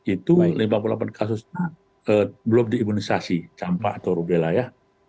itu lima puluh delapan kasus belum diimunisasi campak atau rubella ya